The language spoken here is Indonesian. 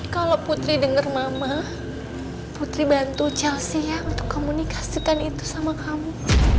kalau putri denger mama putri bantu chelsea untuk komunikasikan itu sama kamu